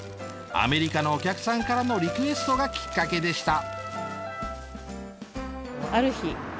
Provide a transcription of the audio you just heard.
アメリカのお客さんからのリクエストがきっかけでした。